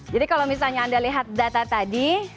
jadi kalau misalnya anda lihat data tadi